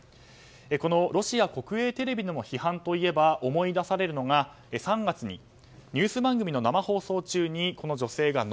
このロシア国営テレビでの批判といえば思い出されるのが３月にニュース番組の生放送中にこの女性が「ＮＯＷＡＲ」